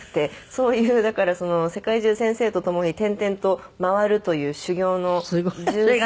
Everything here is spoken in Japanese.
そういうだからその世界中先生と共に転々と回るという修業の十数年間を。